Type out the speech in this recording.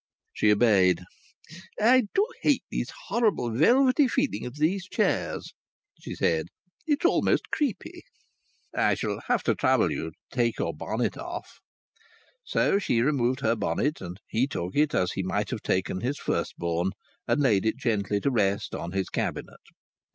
She obeyed. "I do hate the horrid, velvety feeling of these chairs," she said; "it's most creepy." "I shall have to trouble you to take your bonnet off." So she removed her bonnet, and he took it as he might have taken his firstborn, and laid it gently to rest on his cabinet.